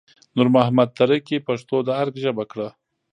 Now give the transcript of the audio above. نور محمد تره کي پښتو د ارګ ژبه کړه